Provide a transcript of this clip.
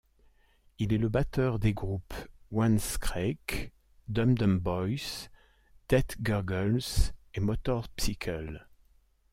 Il est le batteur des groupes Wannskrækk, DumDum Boys, Det Gurgles et Motorpsykkel.